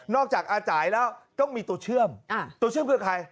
นอกจากอาจ่ายแล้วก็มีตัวเชื่อมอ่าตัวเชื่อมคือใคร